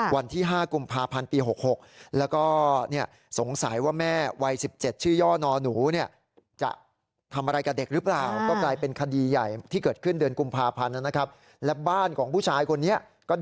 วันที่๕กุมภาพันธ์ปี๖๖